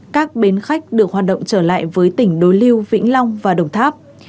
các bến khách được hoạt động trở lại với tỉnh đối lưu vĩnh long và đồng tháp